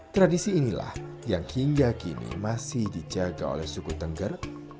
tradisi inilah yang hingga kini masih dijaga oleh suku tengger